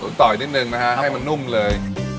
ตุ๋นต่ออีกนิดหนึ่งนะฮะให้มันนุ่มเลย